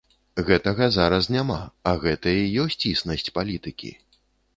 Гэтага зараз няма, а гэта і ёсць існасць палітыкі.